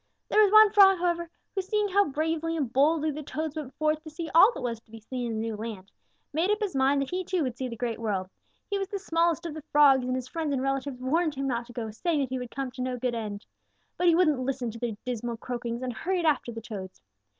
There was one Frog, however, who, seeing how bravely and boldly the Toads went forth to see all that was to be seen in the new land, made up his mind that he too would see the Great World. He was the smallest of the Frogs, and his friends and relatives warned him not to go, saying that he would come to no good end. "But he wouldn't listen to their dismal croakings and hurried after the Toads.